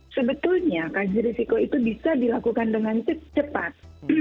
sebetulnya kajian risiko itu bisa dilakukan dengan cepat